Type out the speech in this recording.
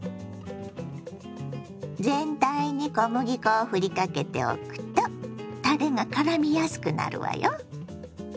全体に小麦粉をふりかけておくとたれがからみやすくなるわよ。